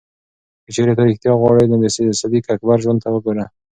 که چېرې ته ریښتیا غواړې، نو د صدیق اکبر ژوند ته وګوره.